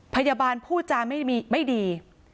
พยาบาลผู้จานไม่ดี